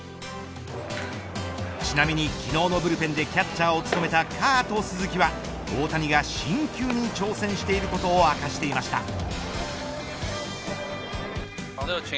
ちなみに昨日のブルペンでキャッチャーを務めたカート・スズキは大谷が新球に挑戦していることを明かしていました。